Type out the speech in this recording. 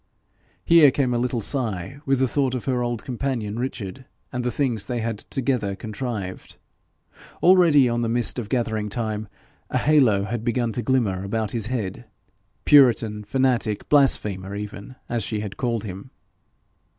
Here came a little sigh with the thought of her old companion Richard, and the things they had together contrived. Already, on the mist of gathering time, a halo had begun to glimmer about his head, puritan, fanatic, blasphemer even, as she had called him.